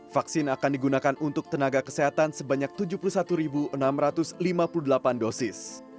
vaksin akan digunakan untuk tenaga kesehatan sebanyak tujuh puluh satu enam ratus lima puluh delapan dosis